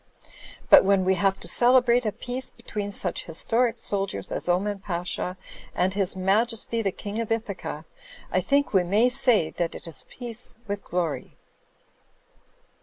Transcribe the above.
But when we have to celebrate a peace between such historic soldiers as Oman Pasha and His Majesty the King of Ithaca, I think we may say that it is peace with glory."